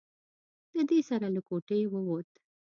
له دې سره له کوټې ووت.